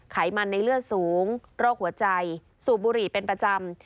ไขมันในเลือดสูงโรคหัวใจสูบบุหรี่เป็นประจำ